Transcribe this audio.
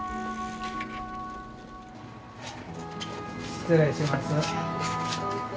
失礼します。